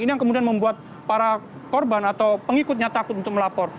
ini yang kemudian membuat para korban atau pengikutnya takut untuk melapor